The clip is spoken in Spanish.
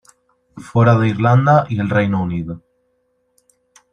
Fuera de Irlanda y el Reino Unido.